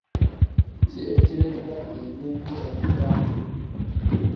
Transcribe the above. Ki ekireetera ebintu okufa